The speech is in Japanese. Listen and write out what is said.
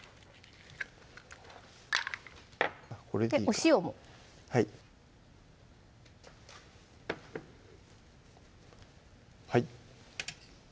お塩もはいはい！